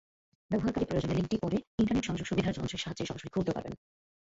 ব্যবহারকারী প্রয়োজনে লিংকটি পরে ইন্টারনেট সংযোগ সুবিধার যন্ত্রের সাহায্যে সরাসরি খুলতেও পারবেন।